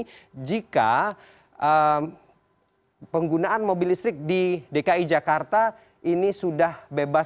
jadi jika penggunaan mobil listrik di dki jakarta ini sudah bebas